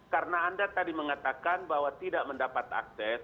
karena anda tadi mengatakan bahwa tidak mendapat akses